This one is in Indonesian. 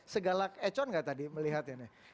segalak econ enggak tadi melihatnya nih